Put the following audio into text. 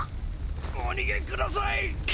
お逃げください。